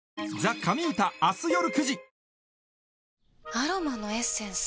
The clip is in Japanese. アロマのエッセンス？